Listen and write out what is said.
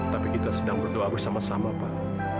tapi kita sedang berdoa bersama sama pak